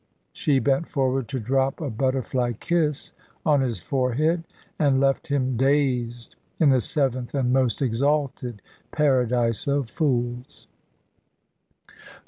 She bent forward to drop a butterfly kiss on his forehead, and left him dazed, in the seventh and most exalted Paradise of Fools.